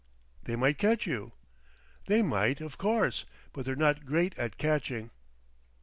"They might catch you." "They might, of course. But they're not great at catching."